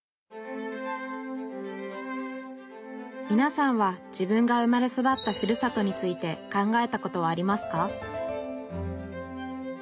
みなさんは自分が生まれ育ったふるさとについて考えたことはありますか？